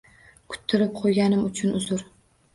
Kuttirib qo'yganim uchun uzr.